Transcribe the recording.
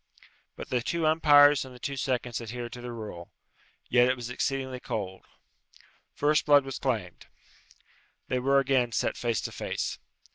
But the two umpires and the two seconds adhered to the rule. Yet it was exceedingly cold. First blood was claimed. They were again set face to face.